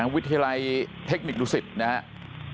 วิทยาลัยเทคนิคดุสิตนะครับ